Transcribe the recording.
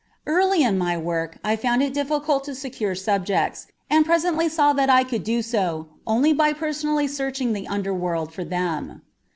Early in my work I found it difficult to secure subjects, and presently saw that I could do so only by personally searching the under world for them.